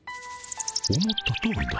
思ったとおりだ。